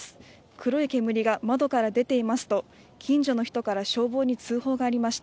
黒い煙が窓から出ていますと近所の人から消防に通報がありました。